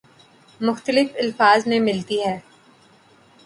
مختلف الفاظ میں ملتی ہے